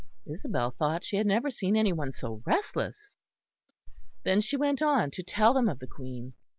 Isabel thought she had never seen any one so restless. Then she went on to tell them of the Queen.